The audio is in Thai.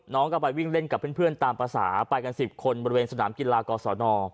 น้องก็ไปวิ่งเล่นกับเพื่อนตามภาษาไปกัน๑๐คนบริเวณสนามกีฬากศน